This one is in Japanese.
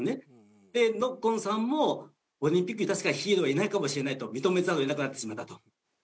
でノッコンさんもオリンピックに確かにヒールはいないかもしれないと認めざるを得なくなってしまった。